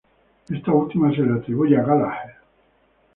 Esta última se le atribuye a Gallagher